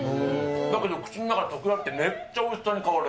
だけど、口の中で溶け合ってめっちゃおいしさに変わる。